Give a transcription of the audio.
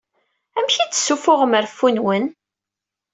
Amek i d-ssufuɣem reffu-nwen?